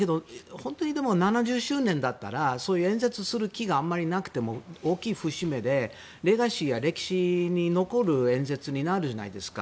７０周年だったら演説する気があまりなくても大きい節目でレガシーや歴史に残る演説になるじゃないですか。